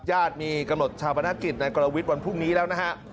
ญาติมีกำหนดชาปนกิจในกรวิทย์วันพรุ่งนี้แล้วนะฮะ